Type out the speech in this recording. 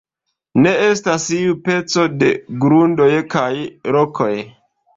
Ne estas iu peco de grundoj kaj rokoj.